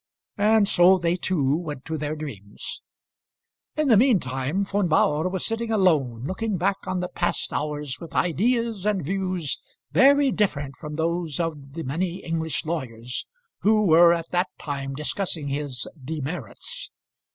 And so they two went to their dreams. In the mean time Von Bauhr was sitting alone looking back on the past hours with ideas and views very different from those of the many English lawyers who were at that time discussing his demerits.